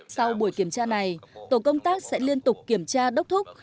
sau buổi kiểm tra này tổ công tác sẽ liên tục kiểm tra đốc thúc